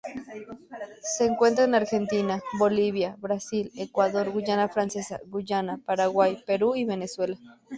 Se encuentra en Argentina, Bolivia, Brasil, Ecuador, Guayana Francesa, Guyana, Paraguay, Perú y Venezuela.